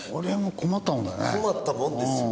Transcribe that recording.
困ったもんですよ。